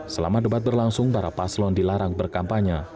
selama debat berlangsung para paslon dilarang berkampanye